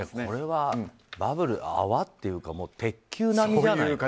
これはバブル、泡っていうか鉄球並みじゃない？